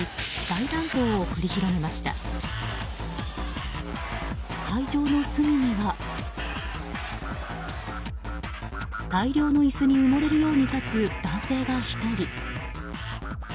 大量の椅子に埋もれるように立つ男性が１人。